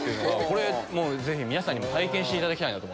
これぜひ皆さんにも体験していただきたいなと思って。